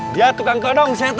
dia tukang todong saya temennya